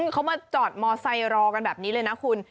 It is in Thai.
เขามาจอดมอไซค์รอกันแบบนี้เลยนะคุณ